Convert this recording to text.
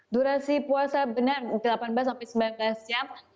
durasi puasa benar delapan belas sampai sembilan belas jam